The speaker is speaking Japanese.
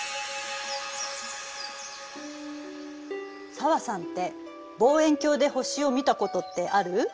紗和さんって望遠鏡で星を見たことってある？